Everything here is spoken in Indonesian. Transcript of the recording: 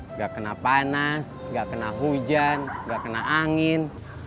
nggak kena panas nggak kena hujan nggak kena angin